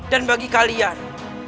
dan bagi kalian